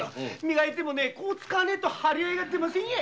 磨いてもこう使わねェと張り合いが出ませんや。